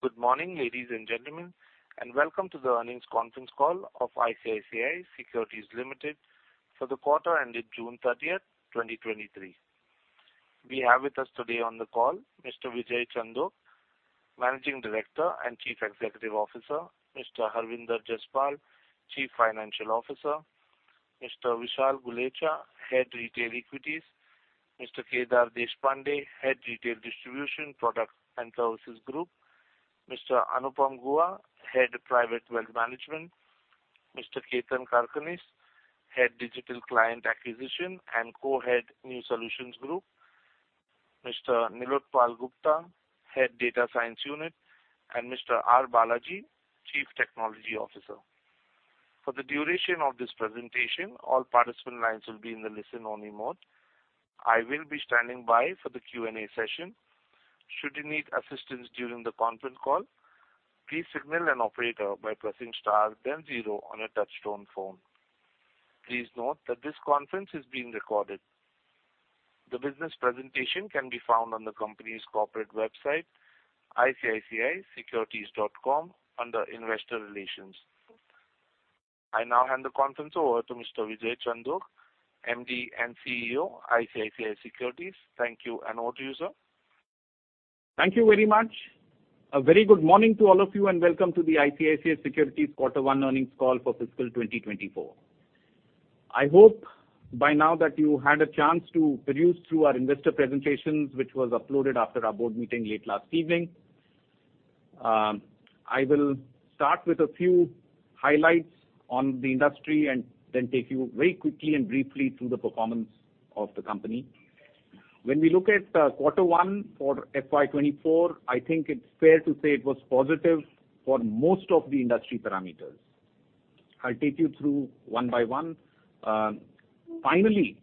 Good morning, ladies and gentlemen, and welcome to the earnings conference call of ICICI Securities Limited for the quarter ended June 30th, 2023. We have with us today on the call Mr. Vijay Chandok, Managing Director and Chief Executive Officer, Mr. Harvinder Jaspal, Chief Financial Officer, Mr. Vishal Gulechha, Head Retail Equities, Mr. Kedar Deshpande, Head Retail Distribution, Products, and Services Group, Mr. Anupam Guha, Head Private Wealth Management, Mr. Ketan Karkhanis, Head Digital Client Acquisition and Co-Head New Solutions Group, Mr. Nilotpal Gupta, Head Data Science Unit, and Mr. R. Balaji, Chief Technology Officer. For the duration of this presentation, all participant lines will be in the listen-only mode. I will be standing by for the Q&A session. Should you need assistance during the conference call, please signal an operator by pressing star then zero on a touchtone phone. Please note that this conference is being recorded. The business presentation can be found on the company's corporate website, icicisecurities.com, under Investor Relations. I now hand the conference over to Mr. Vijay Chandok, MD and CEO, ICICI Securities. Thank you. Over to you, sir. Thank you very much. A very good morning to all of you, and welcome to the ICICI Securities Quarter One earnings call for fiscal 2024. I hope by now that you had a chance to peruse through our investor presentations, which was uploaded after our board meeting late last evening. I will start with a few highlights on the industry and then take you very quickly and briefly through the performance of the company. When we look at quarter one for FY 2024, I think it's fair to say it was positive for most of the industry parameters. I'll take you through one by one. Finally,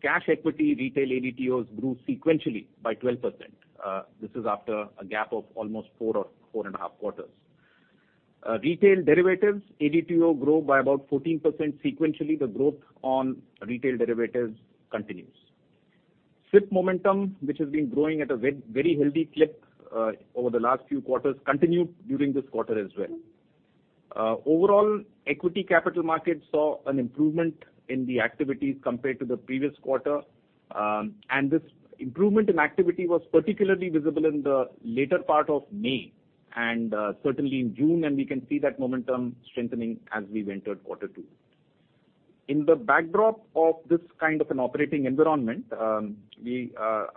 cash equity, retail ADTOs grew sequentially by 12%. This is after a gap of almost 4 or 4.5 quarters. Retail derivatives, ADTO grew by about 14% sequentially. The growth on retail derivatives continues. SIP momentum, which has been growing at a very healthy clip, over the last few quarters, continued during this quarter as well. Overall, equity capital markets saw an improvement in the activities compared to the previous quarter, and this improvement in activity was particularly visible in the later part of May and certainly in June, and we can see that momentum strengthening as we've entered quarter two. In the backdrop of this kind of an operating environment, we are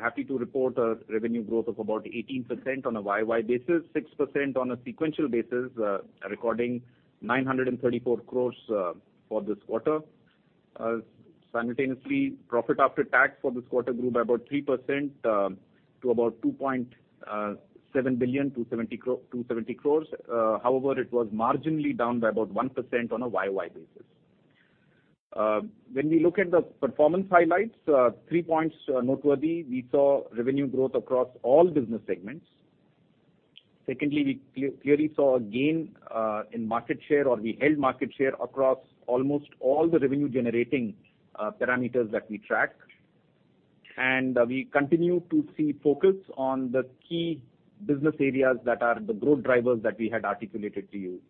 happy to report a revenue growth of about 18% on a YOY basis, 6% on a sequential basis, recording 934 crores for this quarter. Simultaneously, profit after tax for this quarter grew by about 3% to about 270 crores. However, it was marginally down by about 1% on a YOY basis. When we look at the performance highlights, 3 points are noteworthy: We saw revenue growth across all business segments. Secondly, we clearly saw a gain in market share, or we held market share across almost all the revenue generating parameters that we track. We continue to see focus on the key business areas that are the growth drivers that we had articulated to you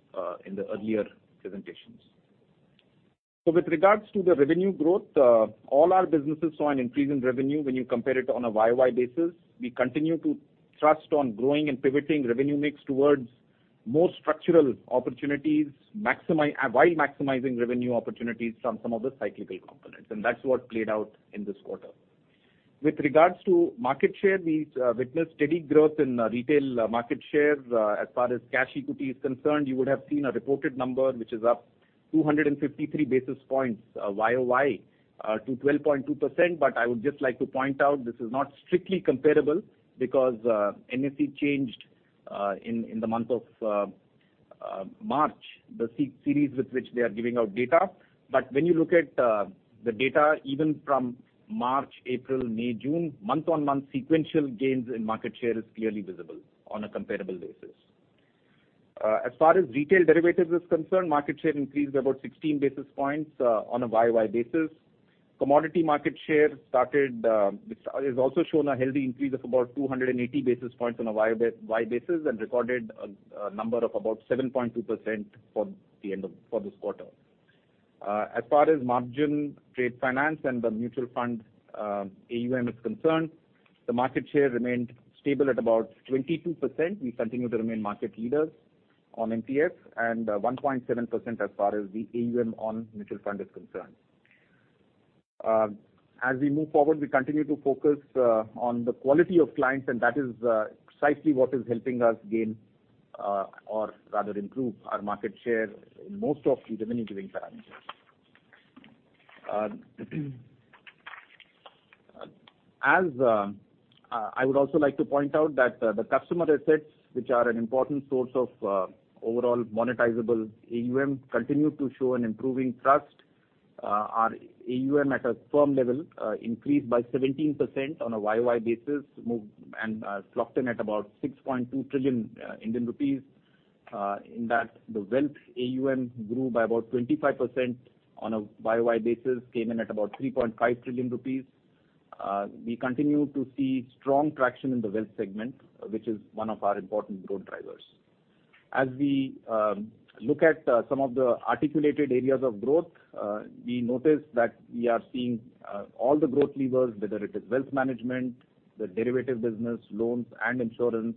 in the earlier presentations. With regards to the revenue growth, all our businesses saw an increase in revenue when you compare it on a YOY basis. We continue to trust on growing and pivoting revenue mix towards more structural opportunities, while maximizing revenue opportunities from some of the cyclical components, that's what played out in this quarter. With regards to market share, we witnessed steady growth in retail market share. As far as cash equity is concerned, you would have seen a reported number, which is up 253 basis points YOY to 12.2%. I would just like to point out this is not strictly comparable because NSE changed in the month of March, the series with which they are giving out data. When you look at the data, even from March, April, May, June, month-on-month sequential gains in market share is clearly visible on a comparable basis. As far as retail derivatives is concerned, market share increased by about 16 basis points on a YOY basis. Commodity market share started, which has also shown a healthy increase of about 280 basis points on a YOY basis, and recorded a number of about 7.2% for this quarter. As far as Margin Trade Funding and the mutual fund AUM is concerned, the market share remained stable at about 22%. We continue to remain market leaders on MTF, and 1.7% as far as the AUM on mutual fund is concerned. As we move forward, we continue to focus on the quality of clients, and that is precisely what is helping us gain or rather improve our market share in most of the revenue-giving parameters. As. I would also like to point out that the customer assets, which are an important source of overall monetizable AUM, continue to show an improving trust. Our AUM at a firm level increased by 17% on a YOY basis, moved and clocked in at about 6.2 trillion Indian rupees. In that the wealth AUM grew by about 25% on a Y-o-Y basis, came in at about 3.5 trillion rupees. We continue to see strong traction in the wealth segment, which is one of our important growth drivers. As we look at some of the articulated areas of growth, we notice that we are seeing all the growth levers, whether it is wealth management, the derivative business, loans, and insurance,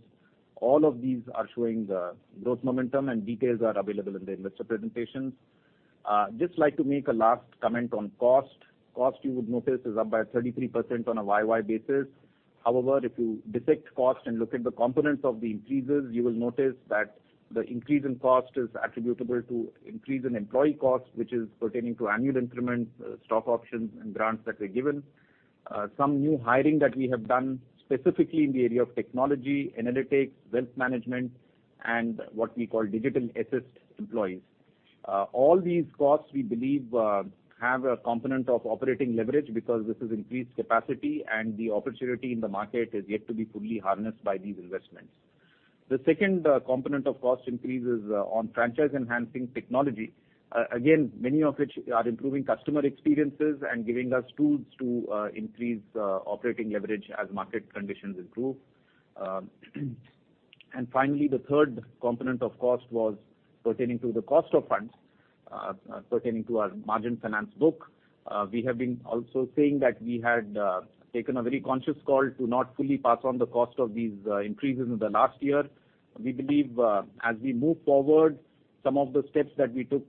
all of these are showing the growth momentum and details are available in the investor presentations. Just like to make a last comment on cost. Cost, you would notice, is up by 33% on a year-over-year basis. However, if you dissect cost and look at the components of the increases, you will notice that the increase in cost is attributable to increase in employee costs, which is pertaining to annual increments, stock options and grants that were given. Some new hiring that we have done, specifically in the area of technology, analytics, wealth management, and what we call digital assist employees. All these costs, we believe, have a component of operating leverage because this is increased capacity, and the opportunity in the market is yet to be fully harnessed by these investments. The second component of cost increase is on franchise-enhancing technology. Again, many of which are improving customer experiences and giving us tools to increase operating leverage as market conditions improve. Finally, the third component of cost was pertaining to the cost of funds, pertaining to our margin finance book. We have been also saying that we had taken a very conscious call to not fully pass on the cost of these increases in the last year. We believe, as we move forward, some of the steps that we took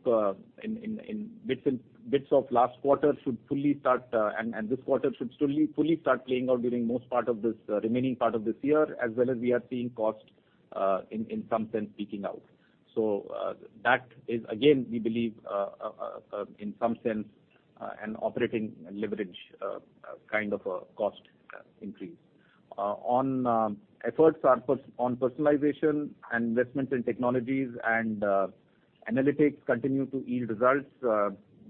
in bits of last quarter should fully start, and this quarter should fully start playing out during most part of this remaining part of this year, as well as we are seeing costs in some sense, peaking out. That is, again, we believe, in some sense, an operating leverage kind of a cost increase. Efforts are on personalization and investments in technologies and analytics continue to yield results.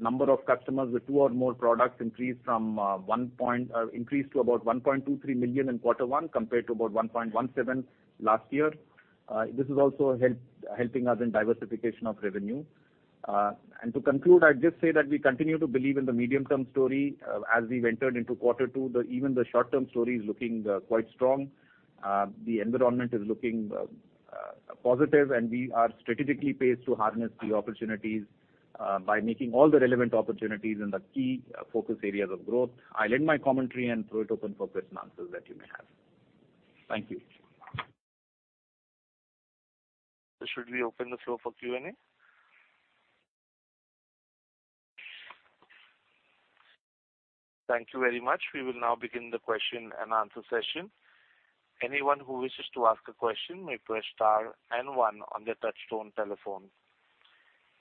Number of customers with two or more products increased to about 1.23 million in quarter one, compared to about 1.17 last year. This is also helping us in diversification of revenue. To conclude, I'd just say that we continue to believe in the medium-term story. As we've entered into quarter two, even the short-term story is looking quite strong. The environment is looking positive, we are strategically paced to harness the opportunities, by making all the relevant opportunities in the key focus areas of growth. I'll end my commentary and throw it open for questions and answers that you may have. Thank you. Should we open the floor for Q&A? Thank you very much. We will now begin the question-and-answer session. Anyone who wishes to ask a question may press star and one on their touch-tone telephone.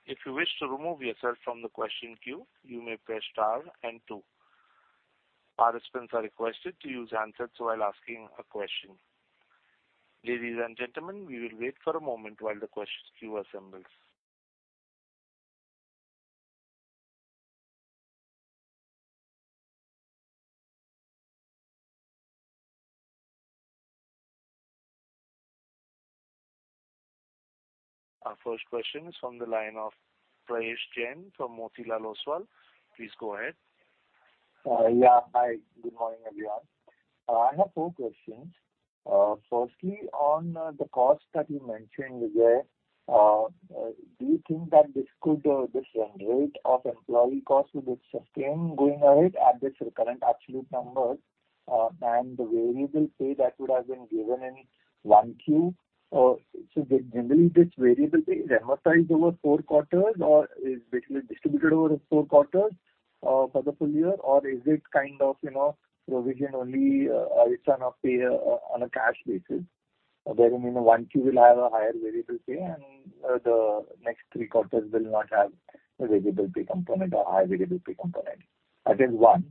If you wish to remove yourself from the question queue, you may press star and two. Participants are requested to use answers while asking a question. Ladies and gentlemen, we will wait for a moment while the question queue assembles. Our first question is from the line of Prayesh Jain from Motilal Oswal. Please go ahead. Hi, good morning, everyone. I have four questions. Firstly, on the cost that you mentioned there, do you think that this rate of employee cost will be sustained going ahead at this current absolute number, and the variable pay that would have been given in 1Q? Generally, this variable pay is amortized over four quarters, or is basically distributed over the four quarters for the full year? Is it kind of, you know, provision only, it's on a pay on a cash basis, wherein, in 1Q will have a higher variable pay, and the next three quarters will not have a variable pay component or high variable pay component? That is one.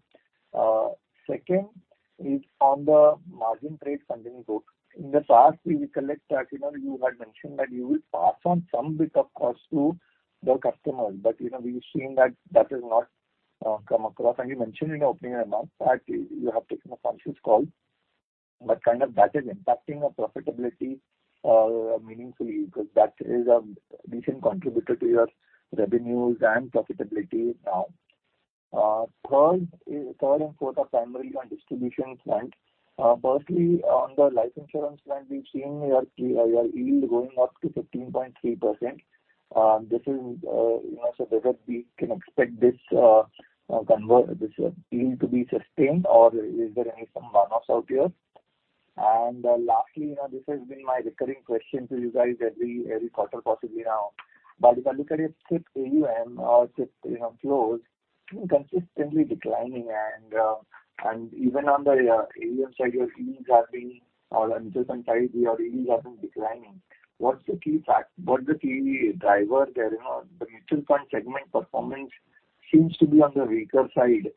Second is on the Margin Trade Funding book. In the past, we recollect that, you know, you had mentioned that you will pass on some bit of cost to the customers, but, you know, we've seen that that has not come across. You mentioned in your opening remarks that you have taken a conscious call, but kind of that is impacting your profitability meaningfully, because that is a decent contributor to your revenues and profitability now. Third and fourth are primarily on distribution front. Firstly, on the life insurance front, we've seen your yield going up to 15.3%. This is, you know, so whether we can expect this convert, this yield to be sustained, or is there any some runoff out here? Lastly, you know, this has been my recurring question to you guys every quarter possibly now. If I look at your AUM or just, you know, flows, consistently declining, and even on the AUM side, your yields until some time have been declining. What's the key fact? What's the key driver there? You know, the mutual fund segment performance seems to be on the weaker side,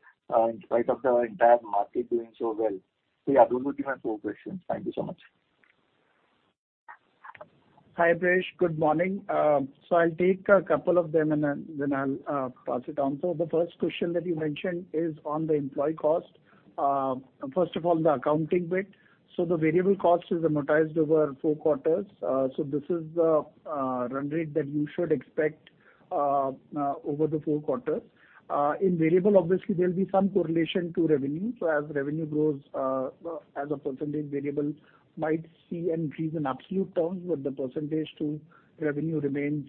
in spite of the entire market doing so well. Yeah, those would be my four questions. Thank you so much. Hi, Prayesh. Good morning. I'll take a couple of them, and then I'll pass it down. The first question that you mentioned is on the employee cost. first of all, the accounting bit. The variable cost is amortized over four quarters. This is the run rate that you should expect over the four quarters. In variable, obviously, there'll be some correlation to revenue. As revenue grows, as a percentage variable might see an increase in absolute terms, but the percentage to revenue remains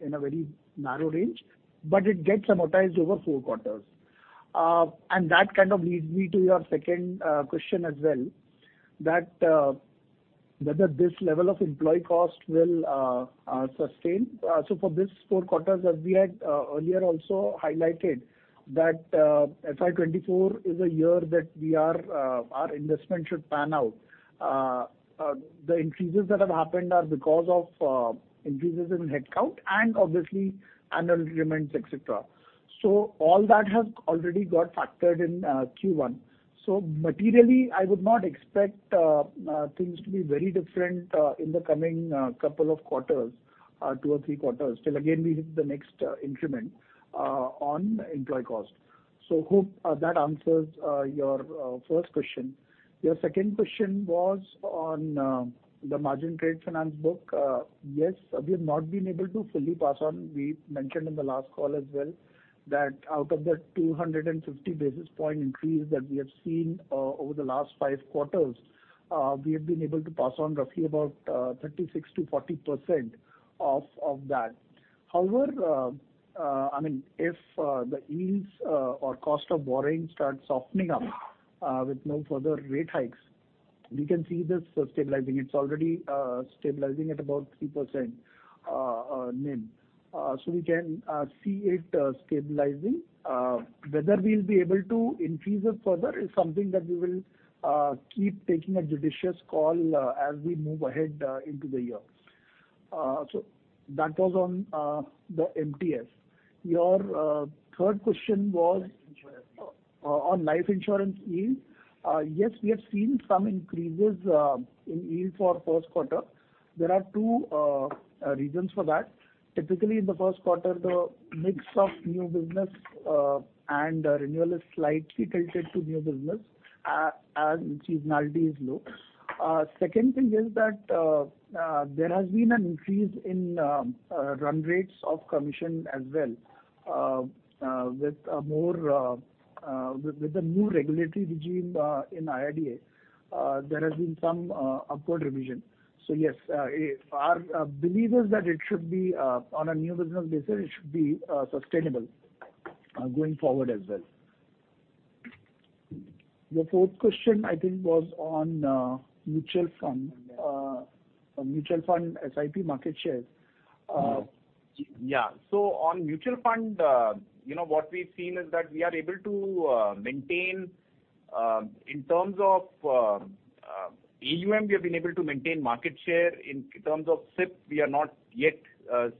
in a very narrow range, but it gets amortized over four quarters. That kind of leads me to your second question as well, that whether this level of employee cost will sustain. For this four quarters, as we had earlier also highlighted, that FY 2024 is a year that we are our investment should pan out. The increases that have happened are because of increases in headcount and obviously annual increments, et cetera. All that has already got factored in Q1. Materially, I would not expect things to be very different in the coming couple of quarters, 2 or 3 quarters, till again, we hit the next increment on employee cost. Hope that answers your first question. Your second question was on the Margin Trade Funding book. Yes, we have not been able to fully pass on. We mentioned in the last call as well, that out of the 250 basis point increase that we have seen over the last 5 quarters, we have been able to pass on roughly about 36% to 40% of that. However, I mean, if the yields or cost of borrowing starts softening up with no further rate hikes, we can see this stabilizing. It's already stabilizing at about 3% NIM. So we can see it stabilizing. Whether we'll be able to increase it further is something that we will keep taking a judicious call as we move ahead into the year. So that was on the MTF. Your third question was. Life insurance. On life insurance yield. Yes, we have seen some increases in yield for first quarter. There are two reasons for that. Typically, in the first quarter, the mix of new business and renewal is slightly tilted to new business, as seasonality is low. Second thing is that there has been an increase in run rates of commission as well. With more, with the new regulatory regime in IRDAI, there has been some upward revision. Yes, our belief is that it should be on a new business basis, it should be sustainable going forward as well. Your fourth question, I think, was on mutual fund, mutual fund SIP market share. Yeah. On mutual fund, you know, what we've seen is that we are able to maintain in terms of AUM, we have been able to maintain market share. In terms of SIP, we are not yet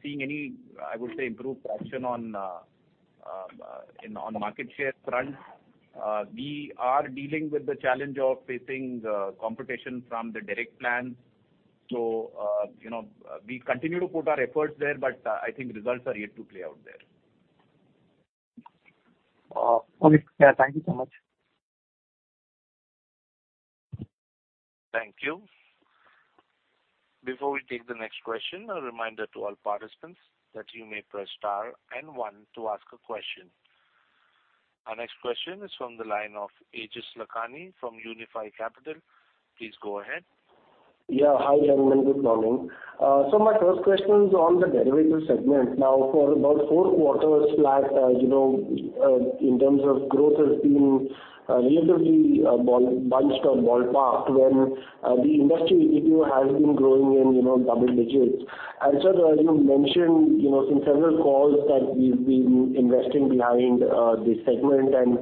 seeing any, I would say, improved option on market share front. We are dealing with the challenge of facing competition from the direct plan. You know, we continue to put our efforts there, but I think results are yet to play out there. Okay. Thank you so much. Thank you. Before we take the next question, a reminder to all participants that you may press star and one to ask a question. Our next question is from the line of Aejaz Lakhani from Unify Capital. Please go ahead. Yeah. Hi, gentlemen, good morning. My first question is on the derivatives segment. Now, for about four quarters flat, you know, in terms of growth has been, relatively, bunched or ballparked, when the industry, if you have been growing in, you know, double digits. Sir, as you mentioned, you know, in several calls that we've been investing behind this segment, and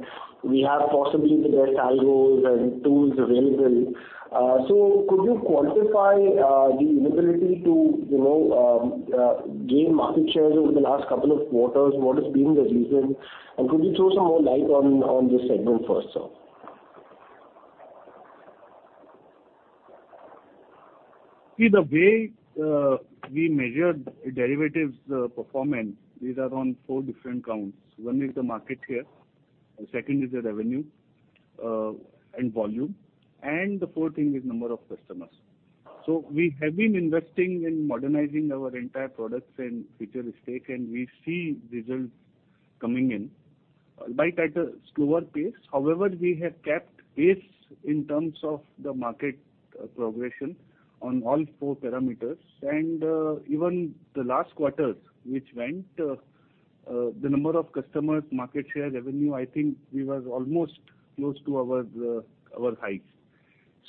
we have possibly the best IOs and tools available. Could you quantify the inability to, you know, gain market shares over the last couple of quarters? What has been the reason? Could you throw some more light on this segment first, sir? See, the way, we measure derivatives, performance, these are on four different counts. One is the market share, the second is the revenue, and volume, and the fourth thing is number of customers. We have been investing in modernizing our entire products and feature stake, and we see results coming in, but at a slower pace. However, we have kept pace in terms of the market, progression on all four parameters. Even the last quarters, which went, the number of customers, market share, revenue, I think we were almost close to our highs.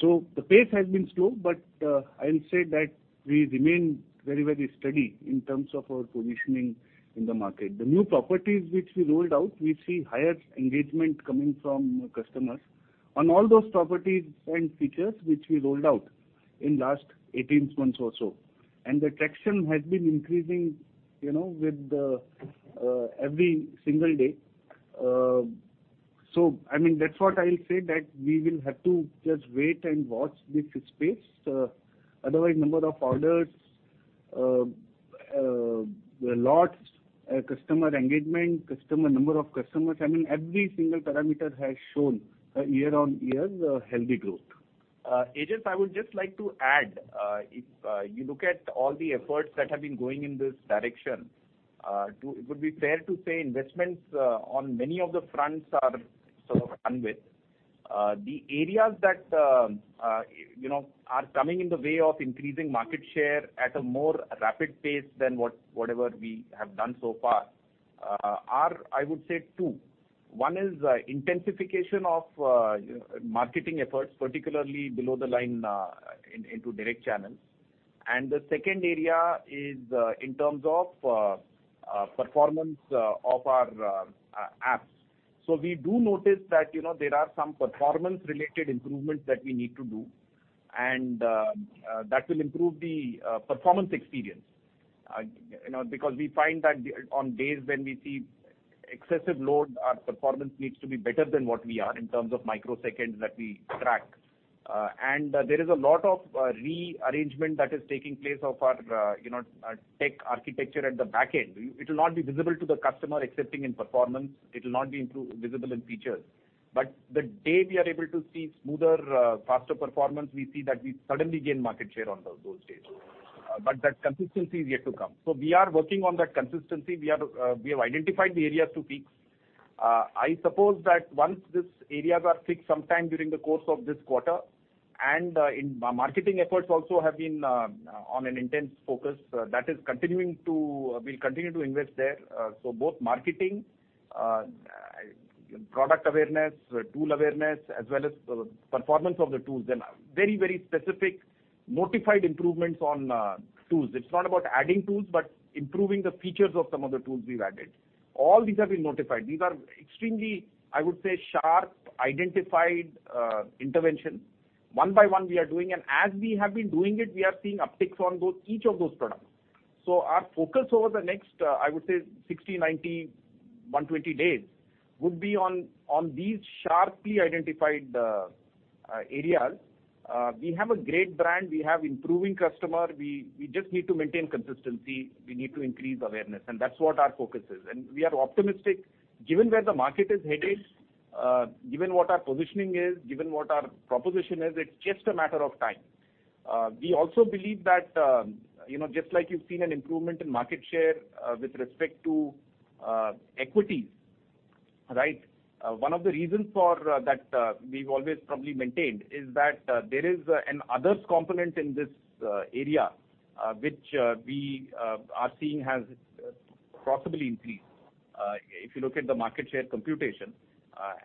The pace has been slow, but, I'll say that we remain very, very steady in terms of our positioning in the market. The new properties which we rolled out, we see higher engagement coming from customers on all those properties and features which we rolled out in last 18 months or so. The traction has been increasing, you know, with every single day. I mean, that's what I'll say, that we will have to just wait and watch this space. Otherwise, number of orders, customer engagement, number of customers. I mean, every single parameter has shown a year-on-year healthy growth. Ajit, I would just like to add, if you look at all the efforts that have been going in this direction, it would be fair to say investments, on many of the fronts are sort of done with. The areas that, you know, are coming in the way of increasing market share at a more rapid pace than whatever we have done so far, are, I would say, two. One is, intensification of marketing efforts, particularly below the line, in, into direct channels. The second area is, in terms of performance of our apps. We do notice that, you know, there are some performance-related improvements that we need to do, and that will improve the performance experience. I suppose that once these areas are fixed sometime during the course of this quarter. In marketing efforts also have been on an intense focus. We'll continue to invest there. Both marketing, product awareness, tool awareness, as well as performance of the tools. Very, very specific notified improvements on tools. It's not about adding tools, but improving the features of some of the tools we've added. All these have been notified. These are extremely, I would say, sharp, identified intervention. One by one, we are doing, and as we have been doing it, we are seeing upticks on those, each of those products. Our focus over the next, I would say 60, 90, 120 days, would be on these sharply identified areas. We have a great brand, we have improving customer. We just need to maintain consistency. We need to increase awareness, and that's what our focus is. We are optimistic, given where the market is headed, given what our positioning is, given what our proposition is, it's just a matter of time. We also believe that, you know, just like you've seen an improvement in market share with respect to equities, right? One of the reasons for that we've always probably maintained, is that there is an others component in this area, which we are seeing has possibly increased. If you look at the market share computation,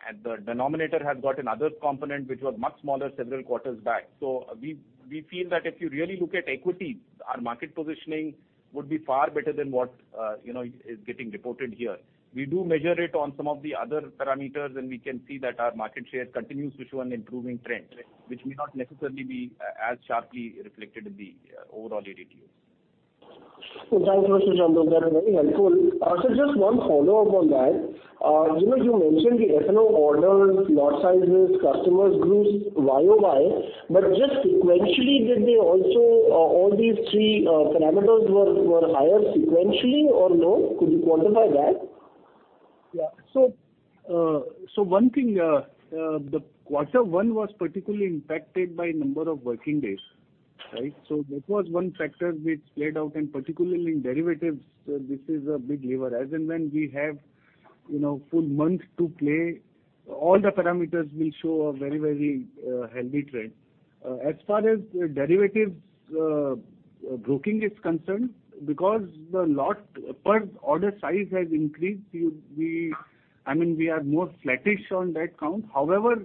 and the denominator has got another component, which was much smaller several quarters back. We feel that if you really look at equity, our market positioning would be far better than what, you know, is getting reported here. We do measure it on some of the other parameters, and we can see that our market share continues to show an improving trend, which may not necessarily be as sharply reflected in the overall ADTV. Thank you, Mr. Chandok. That's very helpful. Just one follow-up on that. You know, you mentioned the F&O orders, lot sizes, customers groups, Y-o-Y, just sequentially, did they also, all these three parameters were higher sequentially or no? Could you quantify that? One thing, the quarter one was particularly impacted by number of working days, right? That was one factor which played out, and particularly in derivatives, this is a big lever. As and when we have, you know, full month to play, all the parameters will show a very, very healthy trend. As far as derivatives broking is concerned, because the lot per order size has increased, we, I mean, we are more flattish on that count. However,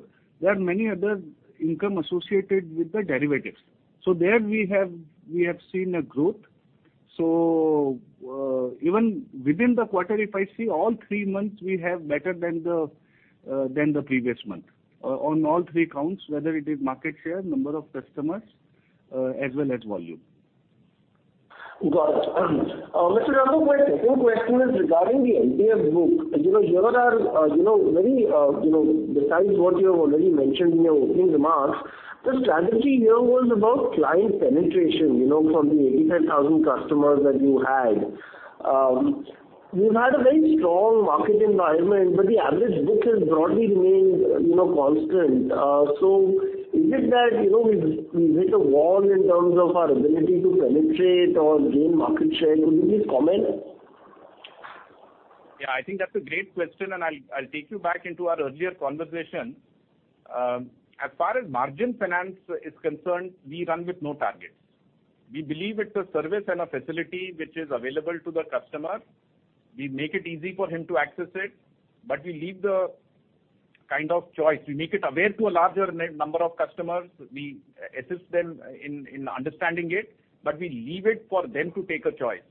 there are many other income associated with the derivatives. There we have seen a growth. Even within the quarter, if I see all three months, we have better than the previous month on all three counts, whether it is market share, number of customers, as well as volume. Got it. Mr. Chandok, my second question is regarding the MTF book. You know, here are, you know, very, you know, besides what you have already mentioned in your opening remarks, the strategy here was about client penetration, you know, from the 85,000 customers that you had. You've had a very strong market environment, but the average book has broadly remained, you know, constant. Is it that, you know, we've hit a wall in terms of our ability to penetrate or gain market share? Could you please comment? Yeah, I think that's a great question, and I'll take you back into our earlier conversation. As far as margin finance is concerned, we run with no targets. We believe it's a service and a facility which is available to the customer. We make it easy for him to access it, but we leave the kind of choice. We make it aware to a larger number of customers. We assist them in understanding it, but we leave it for them to take a choice.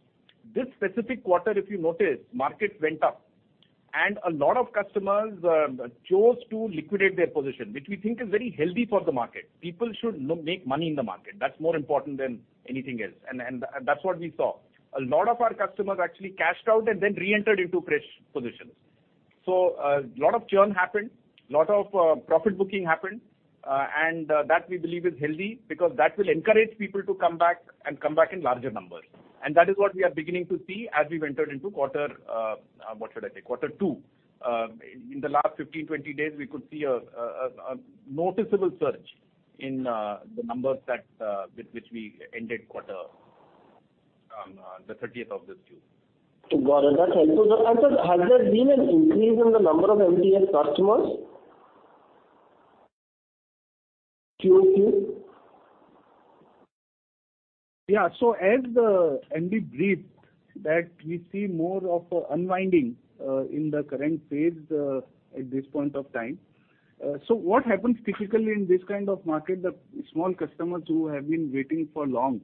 This specific quarter, if you notice, markets went up, and a lot of customers chose to liquidate their position, which we think is very healthy for the market. People should make money in the market. That's more important than anything else, and that's what we saw. A lot of our customers actually cashed out and then reentered into fresh positions. A lot of churn happened, a lot of profit booking happened, and that we believe is healthy, because that will encourage people to come back, and come back in larger numbers. That is what we are beginning to see as we entered into quarter, what should I say? Quarter 2. In the last 15, 20 days, we could see a noticeable surge in the numbers that with which we ended quarter on the 30th of this June. Got it. That's helpful. Sir, has there been an increase in the number of MTF customers? QoQ? Yeah. As the MD briefed, that we see more of unwinding in the current phase at this point of time. What happens typically in this kind of market, the small customers who have been waiting for long,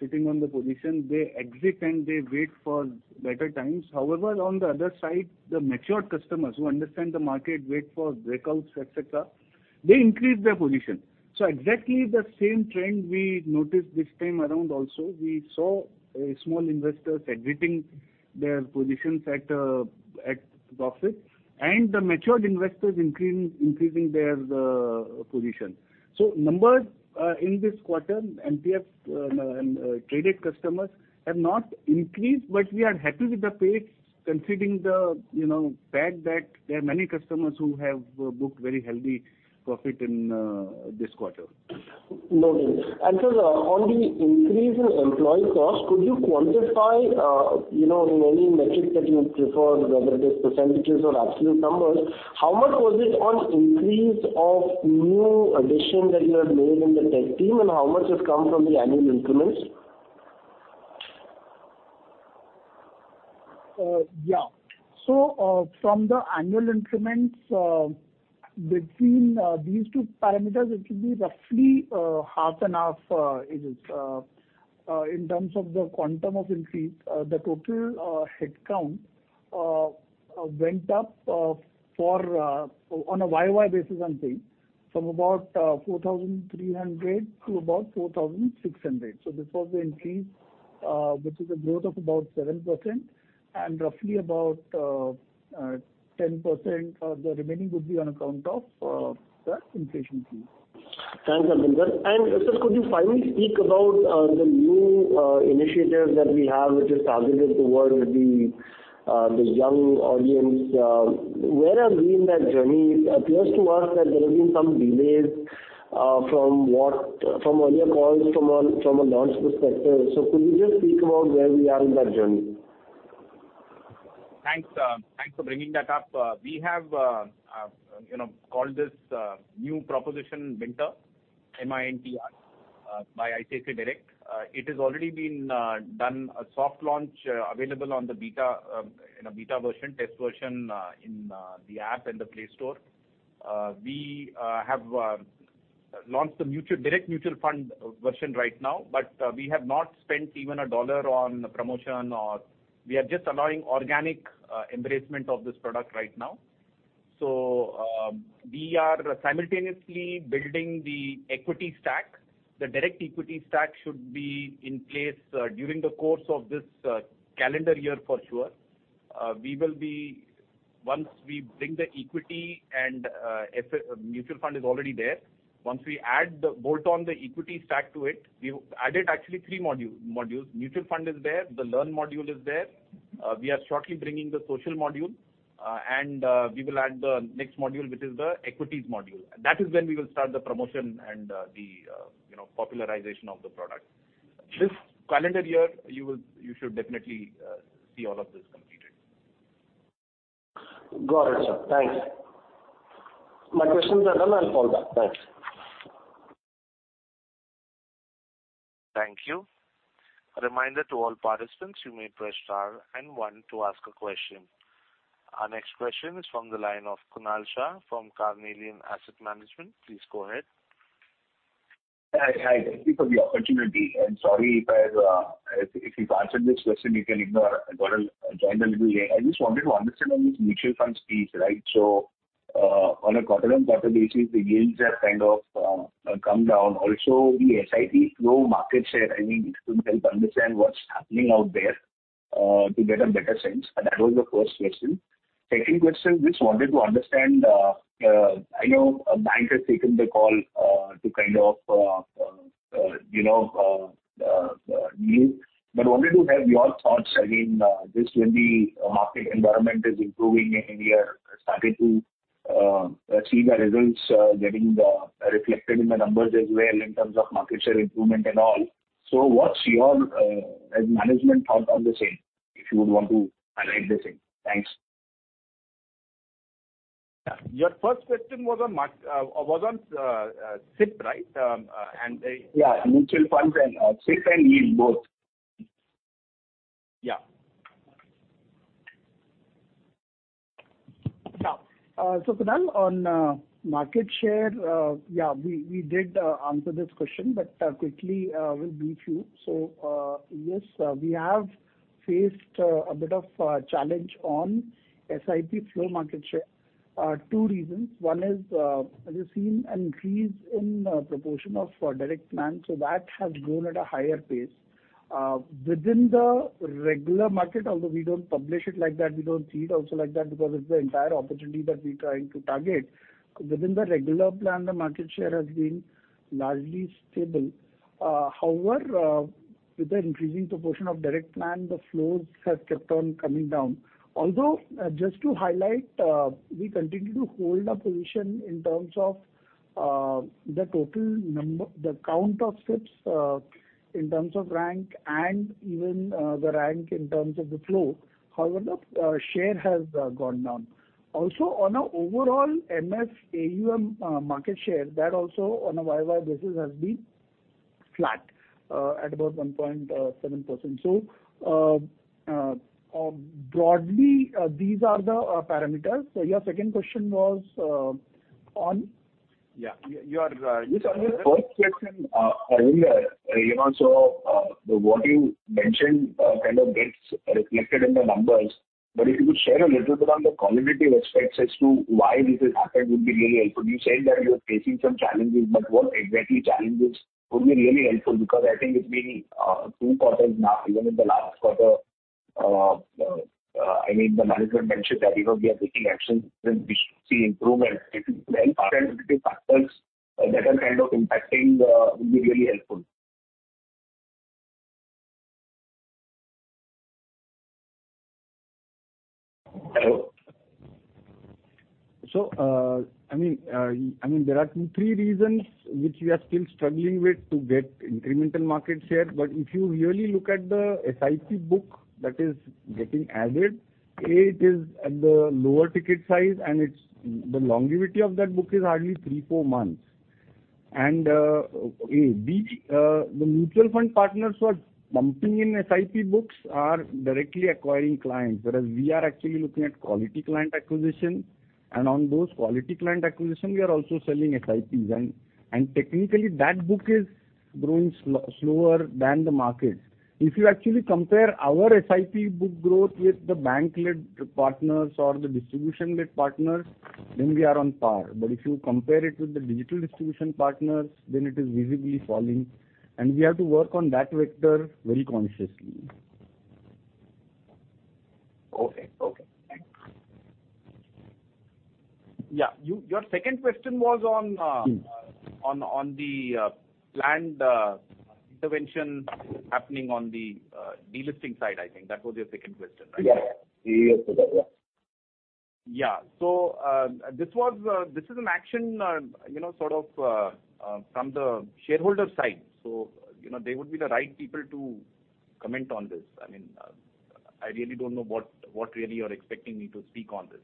sitting on the position, they exit and they wait for better times. However, on the other side, the matured customers who understand the market, wait for breakouts, et cetera, they increase their position. Exactly the same trend we noticed this time around also. We saw small investors exiting their positions at profit, and the matured investors increasing their position. Numbers in this quarter, MTF, and traded customers have not increased, but we are happy with the pace, considering the, you know, fact that there are many customers who have booked very healthy profit in this quarter. No doubt. Sir, on the increase in employee cost, could you quantify, you know, in any metric that you prefer, whether it is % or absolute numbers, how much was it on increase of new addition that you have made in the tech team? How much has come from the annual increments? Yeah. From the annual increments, between these two parameters, it should be roughly half and half, it is. In terms of the quantum of increase, the total headcount went up for on a YOY basis, I'm saying, from about 4,300 to about 4,600. This was the increase, which is a growth of about 7%, and roughly about 10% of the remaining would be on account of the inflation fee. Thanks, Harvinder. Sir, could you finally speak about the new initiative that we have, which is targeted towards the young audience? Where are we in that journey? It appears to us that there have been some delays from earlier calls, from a launch perspective. Could you just speak about where we are in that journey? Thanks, thanks for bringing that up. We have, you know, called this new proposition Mintr, M-I-N-T-R, by ICICIdirect. It has already been done a soft launch, available on the beta, in a beta version, test version, in the app and the Play Store. We have launched the Direct mutual fund version right now, we have not spent even $1 on the promotion or. We are just allowing organic embracement of this product right now. We are simultaneously building the equity stack. The direct equity stack should be in place during the course of this calendar year for sure. Once we bring the equity and mutual fund is already there. Once we add the, bolt on the equity stack to it, we've added actually three modules. Mutual fund is there, the learn module is there, we are shortly bringing the social module. We will add the next module, which is the equities module. That is when we will start the promotion and the, you know, popularization of the product. This calendar year, you will, you should definitely see all of this completed. Got it, sir. Thanks. My questions are done. I'll follow up. Thanks. Thank you. A reminder to all participants, you may press star and one to ask a question. Our next question is from the line of Kunal Shah from Carnelian Asset Management. Please go ahead. Hi, hi. Thank you for the opportunity. Sorry if I have, if you've answered this question, you can ignore. I got in joined a little late. I just wanted to understand on this mutual funds piece, right? On a quarter-on-quarter basis, the yields have kind of come down. Also, the SIP flow market share, I mean, it could help understand what's happening out there to get a better sense. That was the first question. Second question, just wanted to understand, I know bank has taken the call to kind of, you know, yield, but wanted to have your thoughts again, this when the market environment is improving and we are starting to see the results getting reflected in the numbers as well, in terms of market share improvement and all. What's your, as management thought on the same, if you would want to highlight the same? Thanks. Your first question was on SIP, right? Yeah, mutual funds and, SIP and yield, both. Yeah. Kunal, on market share, yeah, we did answer this question, but quickly, we'll brief you. Yes, we have faced a bit of a challenge on SIP flow market share. Two reasons. One is, we've seen an increase in proportion of direct plan, that has grown at a higher pace. Within the regular market, although we don't publish it like that, we don't see it also like that, because it's the entire opportunity that we're trying to target. Within the regular plan, the market share has been largely stable. However, with the increasing proportion of direct plan, the flows have kept on coming down. Although, just to highlight, we continue to hold our position in terms of the count of SIPs in terms of rank and even the rank in terms of the flow. However, the share has gone down. Also, on a overall MF AUM market share, that also on a YOY basis has been flat at about 1.7%. Broadly these are the parameters. So your second question was on? Yeah, your first question, earlier, you know, so, what you mentioned, kind of gets reflected in the numbers, but if you could share a little bit on the qualitative aspects as to why this has happened, would be really helpful. You said that you are facing some challenges, but what exactly challenges would be really helpful? I think it's been two quarters now, even in the last quarter, I mean, the management mentioned that, you know, we are taking action and we should see improvement. If you can share specific factors that are kind of impacting, would be really helpful. Hello? I mean, there are two, three reasons which we are still struggling with to get incremental market share. If you really look at the SIP book that is getting added, A, it is at the lower ticket size, and the longevity of that book is hardly three, four months. A, B, the mutual fund partners who are bumping in SIP books are directly acquiring clients, whereas we are actually looking at quality client acquisition, and on those quality client acquisition, we are also selling SIPs. Technically, that book is growing slower than the market. If you actually compare our SIP book growth with the bank-led partners or the distribution-led partners, we are on par. If you compare it with the digital distribution partners, then it is visibly falling, and we have to work on that vector very consciously. Okay. Okay, thanks. Yeah, you, your second question was on. Mm. On the planned intervention happening on the delisting side, I think. That was your second question, right? Yeah. Yes, that was. Yeah. This was, this is an action, you know, sort of, from the shareholder side, so, you know, they would be the right people to comment on this. I mean, I really don't know what really you're expecting me to speak on this.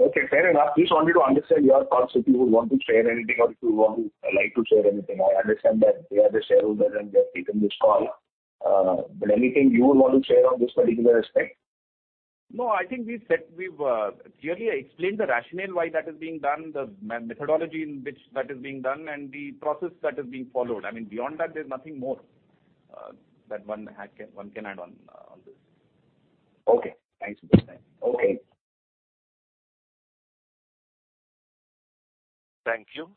Okay, fair enough. Just wanted to understand your thoughts, if you would want to share anything or if you would like to share anything. I understand that they are the shareholder and they've taken this call, but anything you would want to share on this particular aspect? No, I think we've clearly explained the rationale why that is being done, the methodology in which that is being done, and the process that is being followed. I mean, beyond that, there's nothing more that one can add on on this. Okay. Thanks for your time. Okay. Thank you.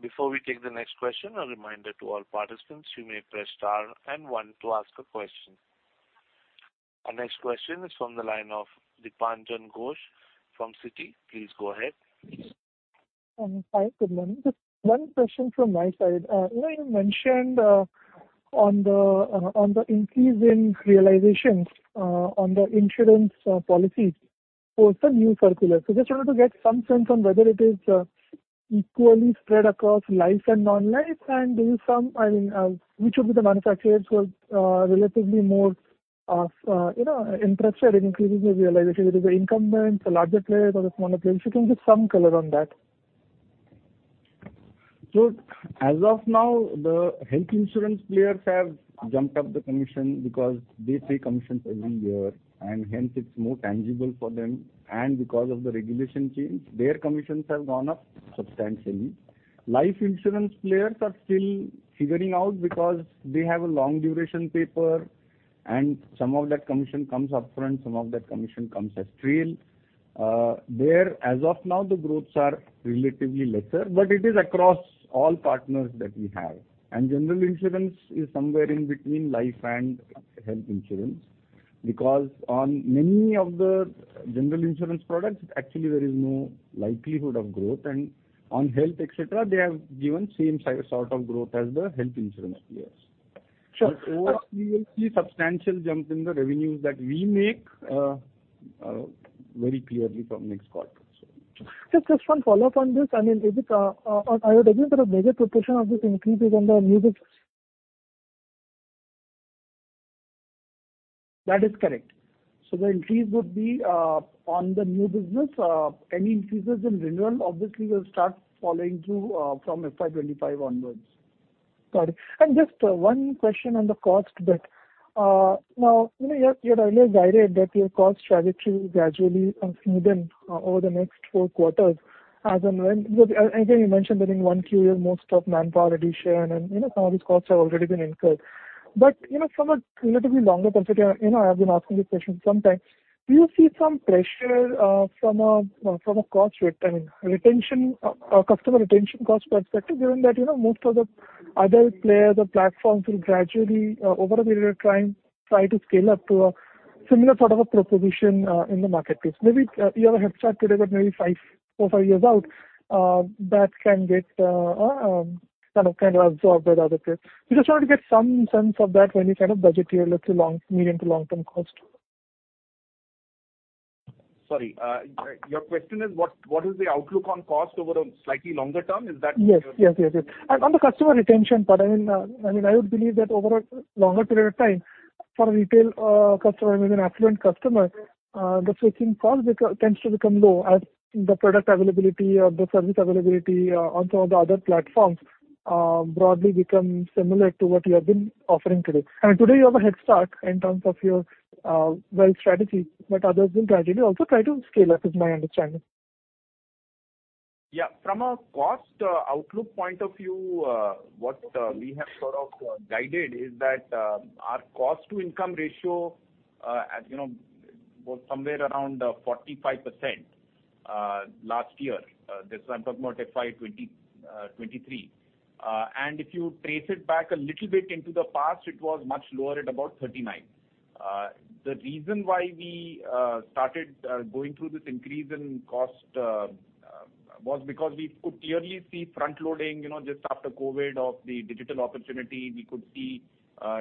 Before we take the next question, a reminder to all participants, you may press star and 1 to ask a question. Our next question is from the line of Dipanjan Ghosh from Citi. Please go ahead. Hi, good morning. Just one question from my side. you know, you mentioned on the increase in realizations on the insurance policies for the new circular. just wanted to get some sense on whether it is equally spread across life and non-life? I mean, which of the manufacturers were relatively more, you know, interested in increasing the realization? Is it the incumbents, the larger players or the smaller players? If you can give some color on that. As of now, the health insurance players have jumped up the commission because they pay commissions every year, and hence it's more tangible for them. Because of the regulation change, their commissions have gone up substantially. Life insurance players are still figuring out because they have a long duration paper, and some of that commission comes upfront, some of that commission comes as trail. There, as of now, the growths are relatively lesser, but it is across all partners that we have. General insurance is somewhere in between life and health insurance, because on many of the general insurance products, actually there is no likelihood of growth, and on health, et cetera, they have given same sort of growth as the health insurance players. Sure. We will see substantial jump in the revenues that we make, very clearly from next quarter. Just one follow-up on this. I mean, I would agree that a major proportion of this increase is on the new business? That is correct. The increase would be, on the new business. Any increases in renewal, obviously, will start following through, from FY 2025 onwards. Got it. Just one question on the cost bit. Now, you know, you had earlier guided that your cost strategy will gradually even over the next four quarters as and when. Because again, you mentioned that in one quarter, most of manpower already shared and, you know, some of these costs have already been incurred. You know, from a relatively longer perspective, you know, I have been asking this question sometimes. Do you see some pressure from a, from a cost rate, I mean, retention, customer retention cost perspective, given that, you know, most of the other players or platforms will gradually over a period of time, try to scale up to a similar sort of a proposition in the marketplace? Maybe you have a head start today, but maybe five, four, five years out, that can get kind of absorbed by the other players. We just want to get some sense of that when you kind of budget your little medium to long-term cost. Sorry, your question is what is the outlook on cost over a slightly longer term? Yes. Yes. On the customer retention part, I mean, I would believe that over a longer period of time, for a retail customer and even affluent customer, the switching cost tends to become low as the product availability or the service availability on some of the other platforms broadly become similar to what you have been offering today. Today you have a head start in terms of your wealth strategy, but others will gradually also try to scale up, is my understanding. Yeah. From a cost outlook point of view, what we have sort of guided is that our cost-to-income ratio, as you know, was somewhere around 45% last year. This I'm talking about FY 2023. If you trace it back a little bit into the past, it was much lower at about 39%. The reason why we started going through this increase in cost was because we could clearly see frontloading, you know, just after COVID, of the digital opportunity. We could see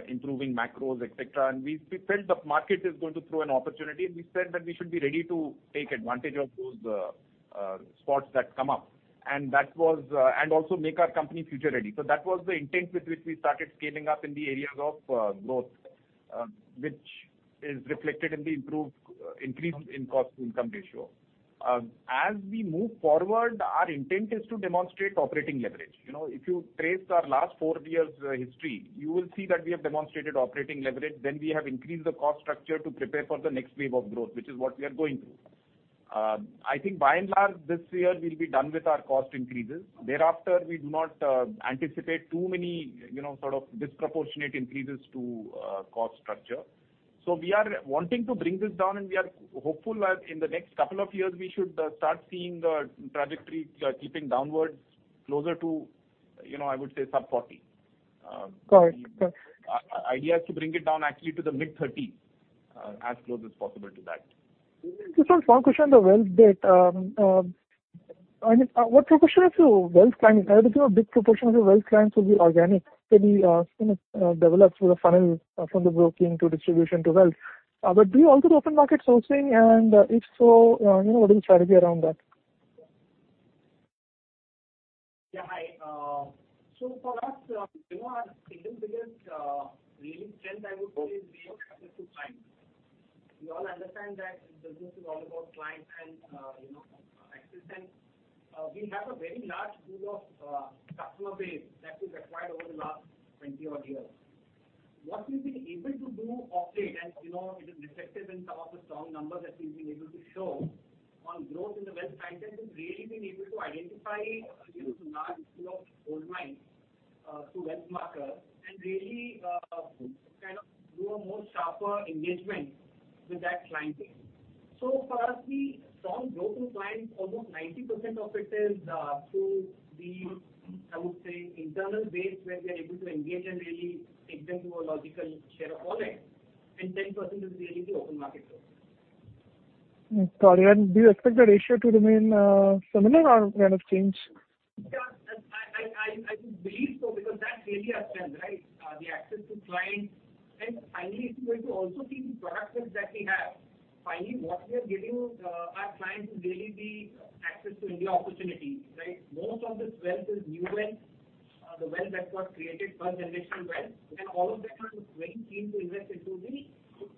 improving macros, et cetera. We felt the market is going to throw an opportunity, and we said that we should be ready to take advantage of those spots that come up. That was, and also make our company future-ready. That was the intent with which we started scaling up in the areas of growth, which is reflected in the improved increase in cost-to-income ratio. As we move forward, our intent is to demonstrate operating leverage. You know, if you trace our last 4 years' history, you will see that we have demonstrated operating leverage. We have increased the cost structure to prepare for the next wave of growth, which is what we are going through. I think by and large, this year we'll be done with our cost increases. Thereafter, we do not anticipate too many, you know, sort of disproportionate increases to cost structure. We are wanting to bring this down, and we are hopeful that in the next couple of years, we should start seeing the trajectory keeping downwards closer to, you know, I would say sub-40. Got it. Our idea is to bring it down actually to the mid-thirties, as close as possible to that. Just one strong question on the wealth bit. I mean, what proportion of your wealth clients, I believe a big proportion of your wealth clients will be organic. Maybe, you know, developed through the funnel from the broking to distribution to wealth. Do you also do open market sourcing? If so, you know, what is the strategy around that? Yeah, hi. For us, you know, our single biggest, really strength, I would say, is we have access to clients. We all understand that business is all about clients and, you know, access. We have a very large pool of customer base that we've acquired over the last 20 odd years. What we've been able to do of late, and, you know, it is reflected in some of the strong numbers that we've been able to show on growth in the wealth side, has really been able to identify, you know, large pool of gold mines to wealth market, and really, kind of do a more sharper engagement with that client base. For us, we strong growth in clients, almost 90% of it is through the, I would say, internal base, where we are able to engage and really take them to a logical share of wallet, and 10% is really the open market growth. Got it. Do you expect that ratio to remain similar or kind of change? Yeah, I believe so, because that's really our strength, right? The access to clients. Finally, it's going to also see the products that we have. Finally, what we are giving our clients is really the access to India opportunity, right? Most of this wealth is new wealth, the wealth that got created, first-generation wealth, and all of them are very keen to invest into the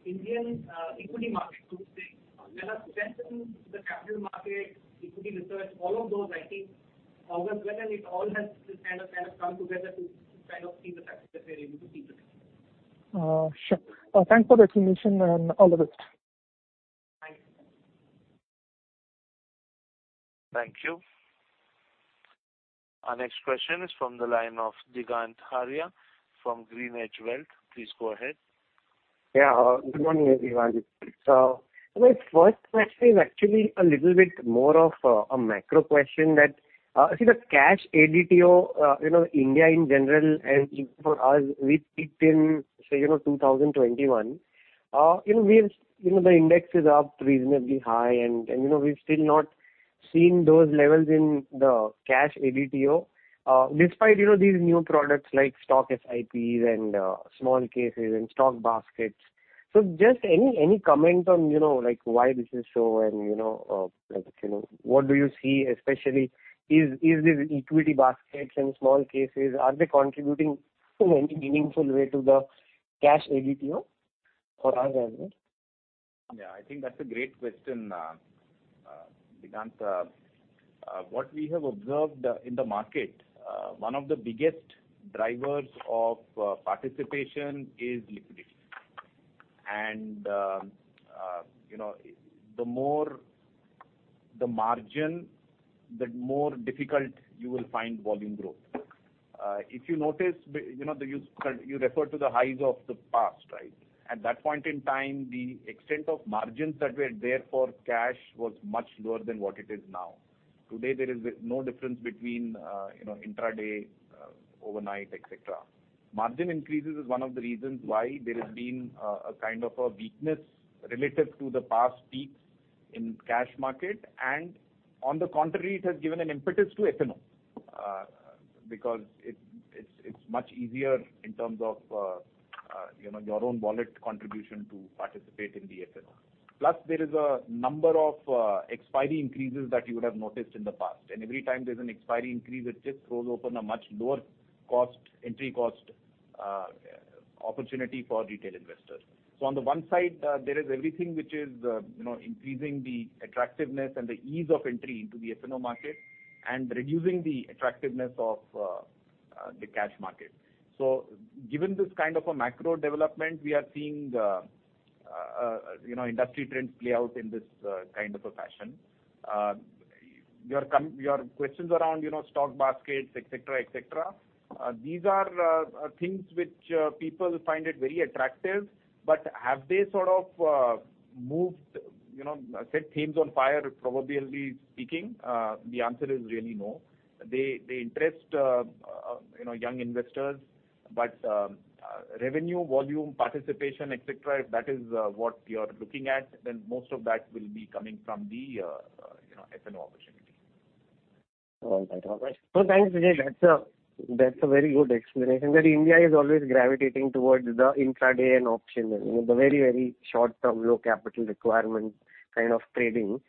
Indian equity market, so to say. Whether it's access to the capital market, equity research, all of those, I think all those wealth, it all has to kind of come together to kind of see the success that we're able to see today. Sure. Thanks for the clarification on all of it. Thank you. Thank you. Our next question is from the line of Digant Haria from GreenEdge Wealth Services. Please go ahead. Yeah, good morning, everyone. My first question is actually a little bit more of a macro question that, see the cash ADTO, you know, India in general, and for us, we peaked in, say, you know, 2021. You know, the index is up reasonably high, and, you know, we've still not seen those levels in the cash ADTO, despite, you know, these new products like Stock SIPs and smallcase and Stock Baskets. Just any comment on, you know, like, why this is so? You know, like, what do you see especially, is this equity baskets and smallcase, are they contributing in any meaningful way to the cash ADTO for us as well? Yeah, I think that's a great question, Digant. What we have observed in the market, one of the biggest drivers of participation is liquidity. You know, the more the margin, the more difficult you will find volume growth. If you notice, you know, you referred to the highs of the past, right? At that point in time, the extent of margins that were there for cash was much lower than what it is now. Today, there is no difference between, you know, intraday, overnight, et cetera. Margin increases is one of the reasons why there has been a kind of a weakness relative to the past peaks in cash market, and on the contrary, it has given an impetus to F&O. Because it's much easier in terms of, you know, your own wallet contribution to participate in the F&O. There is a number of expiry increases that you would have noticed in the past. Every time there's an expiry increase, it just throws open a much lower cost, entry cost, opportunity for retail investors. On the 1 side, there is everything which is, you know, increasing the attractiveness and the ease of entry into the F&O market, and reducing the attractiveness of the cash market. Given this kind of a macro development, we are seeing the, you know, industry trends play out in this kind of a fashion. Your questions around, you know, Stock Baskets, et cetera, et cetera, these are things which people find it very attractive, but have they sort of moved, you know, set teams on fire, probably speaking? The answer is really no. They interest, you know, young investors, but revenue, volume, participation, et cetera, if that is what you're looking at, then most of that will be coming from the, you know, F&O opportunity. All right. All right. Thanks, Vijay. That's a very good explanation, that India is always gravitating towards the intraday and option, you know, the very, very short term, low capital requirement kind of trading.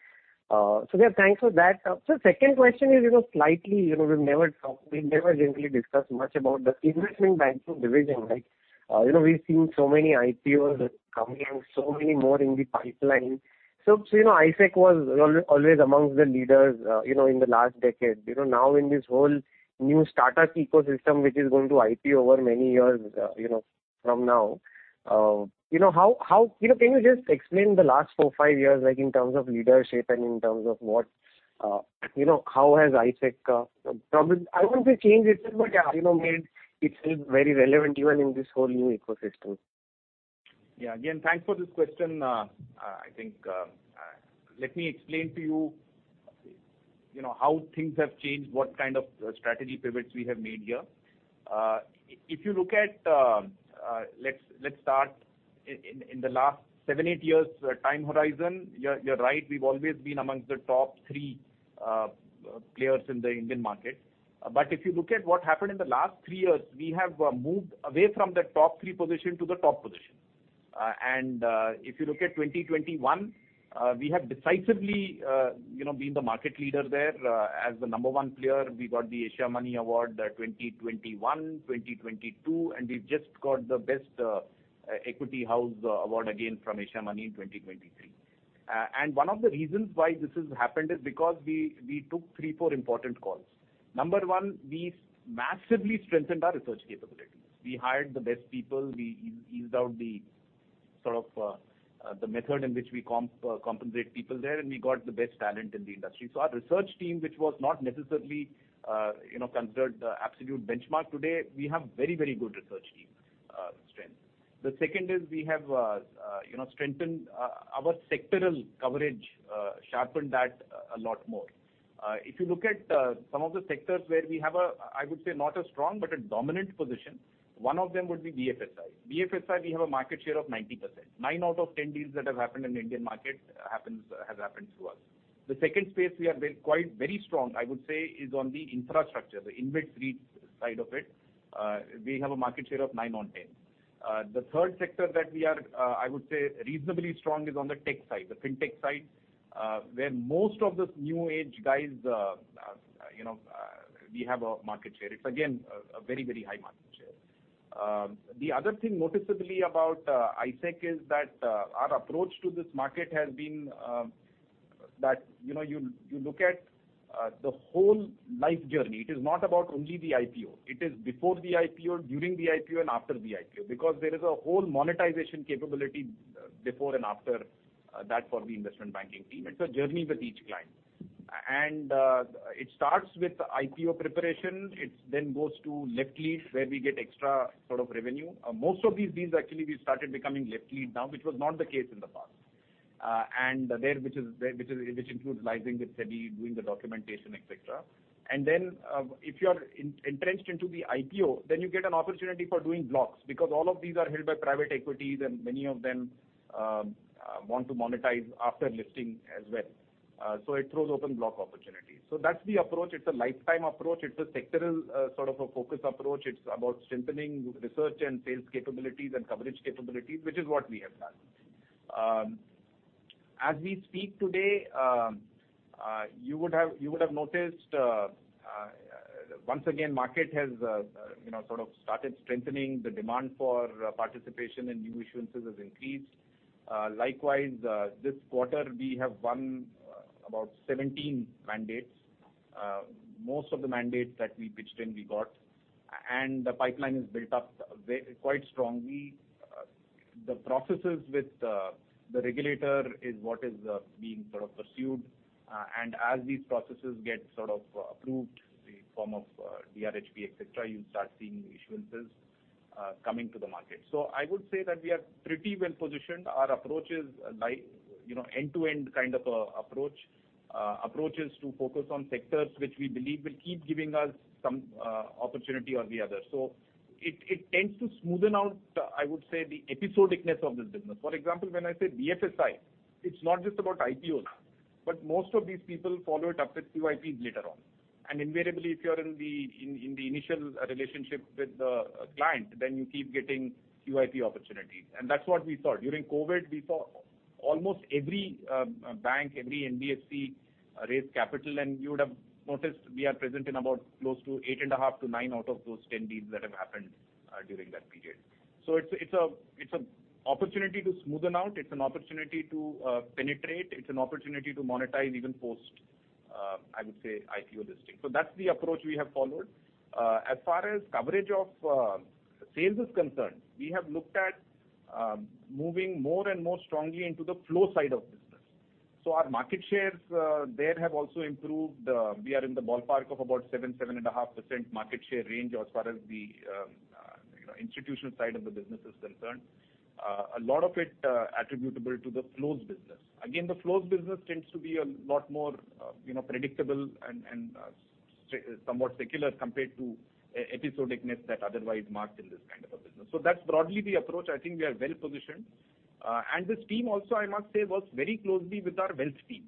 Yeah, thanks for that. Second question is, you know, slightly, you know, we've never generally discussed much about the investment banking division, right? You know, we've seen so many IPOs coming and so many more in the pipeline. You know, ICICI was always amongst the leaders, you know, in the last decade. You know, now in this whole new startup ecosystem, which is going to IPO over many years, you know, from now. You know, how... You know, can you just explain the last four, five years, like, in terms of leadership and in terms of what, you know, how has ICICI, probably, I wouldn't say changed itself, but, you know, made itself very relevant even in this whole new ecosystem? Yeah. Again, thanks for this question. I think, let me explain to you know, how things have changed, what kind of strategy pivots we have made here. If you look at, let's start in the last 7, 8 years time horizon, you're right, we've always been amongst the top 3 players in the Indian market. If you look at what happened in the last 3 years, we have moved away from the top 3 position to the top position. If you look at 2021, we have decisively, you know, been the market leader there, as the number 1 player. We got the Asiamoney Award 2021, 2022, we've just got the Best Equity House Award again from Asiamoney in 2023. One of the reasons why this has happened is because we took three, four important calls. Number one, we massively strengthened our research capabilities. We hired the best people, we eased out the sort of the method in which we compensate people there, and we got the best talent in the industry. Our research team, which was not necessarily, you know, considered the absolute benchmark today, we have very, very good research team strength. The second is we have, you know, strengthened our sectoral coverage, sharpened that a lot more. If you look at some of the sectors where we have a, I would say, not a strong, but a dominant position, one of them would be BFSI. BFSI, we have a market share of 90%. 9 out of 10 deals that have happened in the Indian market has happened through us. The second space we are quite very strong, I would say, is on the infrastructure, the InvIT REIT side of it. We have a market share of 9 on 10. The third sector that we are I would say reasonably strong, is on the tech side, the fintech side, where most of this new age guys, you know, we have a market share. It's again a very, very high market share. The other thing noticeably about ICICI is that our approach to this market has been that, you know, you look at the whole life journey. It is not about only the IPO. It is before the IPO, during the IPO, and after the IPO, because there is a whole monetization capability, before and after, that for the investment banking team. It's a journey with each client. It starts with the IPO preparation, it then goes to left lead, where we get extra sort of revenue. Most of these deals, actually, we started becoming left lead now, which was not the case in the past. There, which is, which includes liaising with SEBI, doing the documentation, et cetera. Then, if you are entrenched into the IPO, then you get an opportunity for doing blocks, because all of these are held by private equities, and many of them want to monetize after listing as well. It throws open block opportunities. That's the approach. It's a lifetime approach. It's a sectoral, sort of a focus approach. It's about strengthening research and sales capabilities and coverage capabilities, which is what we have done. As we speak today, you would have noticed, once again, market has, you know, sort of started strengthening. The demand for participation and new issuances has increased. Likewise, this quarter, we have won about 17 mandates. Most of the mandates that we pitched in, we got. The pipeline is built up quite strongly. The processes with the regulator is what is being sort of pursued. As these processes get sort of approved, in the form of DRHP, et cetera, you'll start seeing issuances coming to the market. I would say that we are pretty well positioned. Our approach is like, you know, end-to-end kind of approach. Approach is to focus on sectors which we believe will keep giving us some opportunity or the other. It tends to smoothen out, I would say, the episodeness of this business. For example, when I say BFSI, it's not just about IPOs, but most of these people follow it up with QIPs later on. Invariably, if you are in the initial relationship with the client, then you keep getting QIP opportunities. That's what we thought. During COVID, we saw almost every bank, every NBFC, raise capital, and you would have noticed we are present in about close to 8.5 to 9 out of those 10 deals that have happened during that period. It's a opportunity to smoothen out. It's an opportunity to penetrate. It's an opportunity to monetize even post, I would say, IPO listing. That's the approach we have followed. As far as coverage of sales is concerned, we have looked at moving more and more strongly into the flow side of business. Our market shares there have also improved. We are in the ballpark of about 7.5% market share range as far as the, you know, institutional side of the business is concerned. A lot of it attributable to the flows business. Again, the flows business tends to be a lot more, you know, predictable and somewhat secular compared to episodeness that otherwise marked in this kind of a business. That's broadly the approach. I think we are well-positioned. This team also, I must say, works very closely with our wealth team.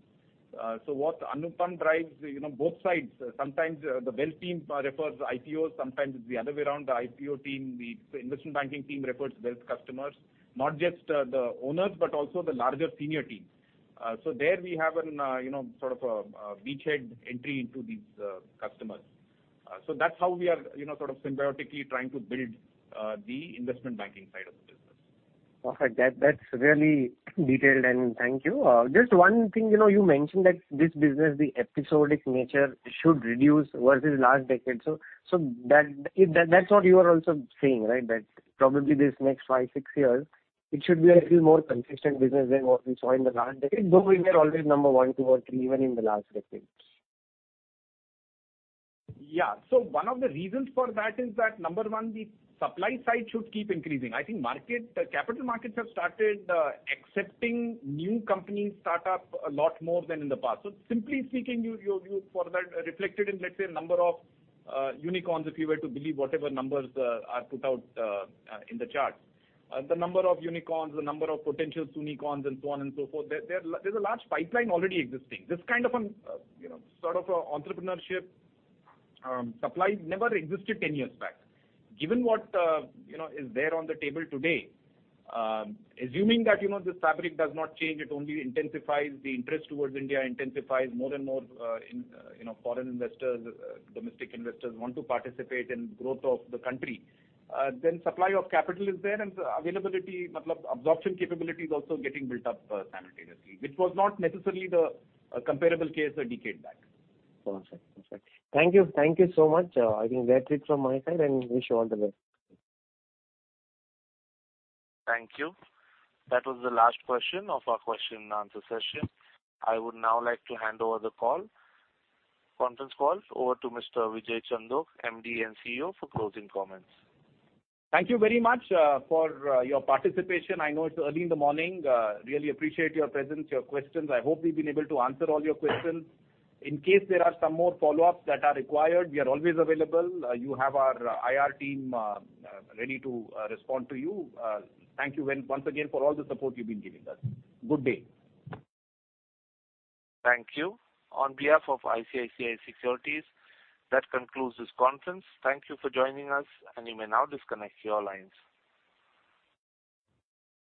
What Anupam drives, you know, both sides. Sometimes, the wealth team refers the IPOs, sometimes it's the other way around, the IPO team, the investment banking team refers wealth customers, not just the owners, but also the larger senior team. There we have an, you know, sort of a beachhead entry into these customers. That's how we are, you know, sort of symbiotically trying to build, the investment banking side of the business. Perfect. That's really detailed, thank you. Just one thing, you know, you mentioned that this business, the episodic nature, should reduce versus last decade. That's what you are also saying, right? That probably this next 5, 6 years, it should be a little more consistent business than what we saw in the last decade, though we were always number 1, 2, or 3, even in the last decade. Yeah. One of the reasons for that is that, number one, the supply side should keep increasing. I think market, the capital markets have started, accepting new companies start up a lot more than in the past. Simply speaking, you for that reflected in, let's say, a number of unicorns, if you were to believe whatever numbers are put out in the chart. The number of unicorns, the number of potential unicorns and so on and so forth, there's a large pipeline already existing. This kind of an, you know, sort of entrepreneurship supply never existed 10 years back. Given what, you know, is there on the table today, assuming that, you know, this fabric does not change, it only intensifies the interest towards India, intensifies more and more, in, you know, foreign investors, domestic investors want to participate in growth of the country. Supply of capital is there, and the availability, मतलब absorption capability is also getting built up, simultaneously, which was not necessarily the comparable case a decade back. Perfect. Perfect. Thank you. Thank you so much. I think that's it from my side. Wish you all the best. Thank you. That was the last question of our question and answer session. I would now like to hand over the conference call over to Mr. Vijay Chandok, MD and CEO, for closing comments. Thank you very much for your participation. I know it's early in the morning. Really appreciate your presence, your questions. I hope we've been able to answer all your questions. In case there are some more follow-ups that are required, we are always available. You have our IR team ready to respond to you. Thank you once again for all the support you've been giving us. Good day. Thank you. On behalf of ICICI Securities, that concludes this conference. Thank you for joining us, and you may now disconnect your lines.